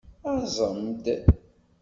Aẓem-d!